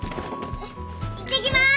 いってきます。